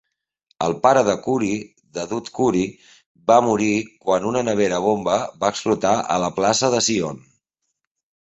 El pare de Khoury, Daoud Khoury, va morir quan una nevera-bomba va explotar a la plaça Zion.